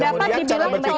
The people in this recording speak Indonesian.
kemudian cara berpikir kantor